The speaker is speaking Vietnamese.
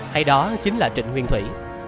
hay đó chính là trịnh huyền thủy